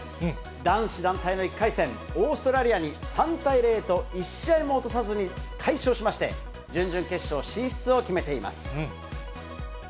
男子団体の１回戦、オーストラリアに３対０と１試合も落とさずに快勝しまして、準々決勝進出を決めています。